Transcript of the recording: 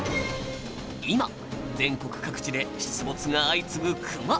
今全国各地で出没が相次ぐクマ。